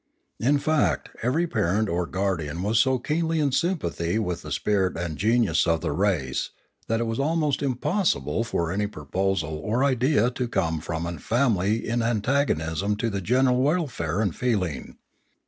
In fact, every parent or guardian was so keenly in sympathy with the spirit and genius of the race that it was almost impossible for any proposal or idea to come from a family in antagonism to the general welfare and feeling.